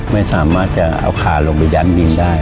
ไม่สามารถจะเอาขาลงไปยั้นดินได้